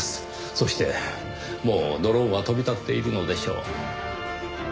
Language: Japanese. そしてもうドローンは飛び立っているのでしょう。